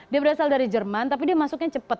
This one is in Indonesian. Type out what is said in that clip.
dia berasal dari jerman tapi dia masuknya cepat